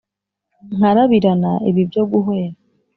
nkarabirana ibi byo guhwera